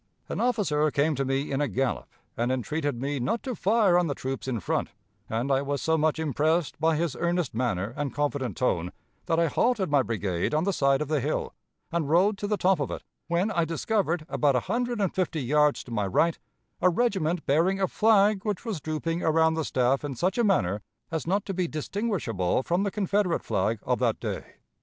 An officer came to me in a gallop, and entreated me not to fire on the troops in front, and I was so much impressed by his earnest manner and confident tone, that I halted my brigade on the side of the hill, and rode to the top of it, when I discovered, about a hundred and fifty yards to my right, a regiment bearing a flag which was drooping around the staff in such a manner as not to be distinguishable from the Confederate flag of that day.